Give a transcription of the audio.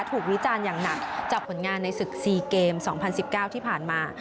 วิจารณ์อย่างหนักจากผลงานในศึก๔เกม๒๐๑๙ที่ผ่านมา